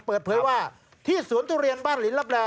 เปิดเผยว่าที่สวนทุเรียนบ้านลินลับแล